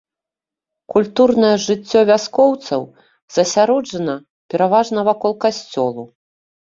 Культурнае жыццё вяскоўцаў засяроджана пераважна вакол касцёлу.